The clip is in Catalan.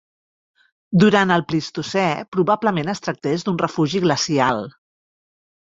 Durant el Plistocè probablement es tractés d'un refugi glacial.